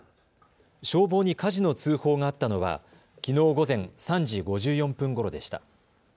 消防に火事の通報があったのはきのう午前３時５４分ごろでした。